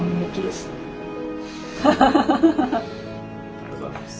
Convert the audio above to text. ありがとうございます。